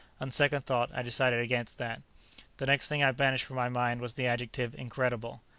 On second thought, I decided against that. The next thing I banished from my mind was the adjective "incredible."